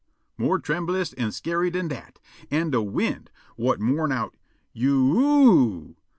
more trembulous an' scary dan dat, an' de wind, whut mourn out, "You you o o o!"